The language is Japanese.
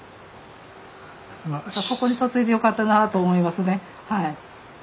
ここに嫁いでよかったなと思いますねはい。